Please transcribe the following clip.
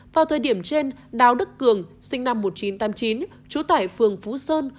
vào thời điểm trên đào đức cường sinh năm một nghìn chín trăm tám mươi chín trú tại phường phú sơn